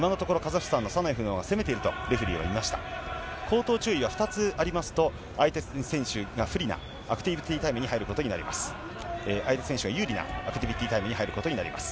口頭注意は２つありますと、相手選手が不利なアクティビティータイムに入ることになります。